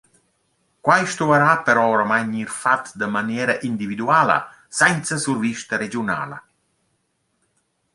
Quai stuverà però oramai gnir fat da maniera individuala, sainza survista regiunala.